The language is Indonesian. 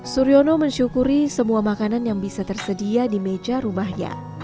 suryono mensyukuri semua makanan yang bisa tersedia di meja rumahnya